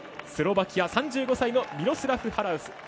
スロバキア、３５歳のミロスラフ・ハラウス。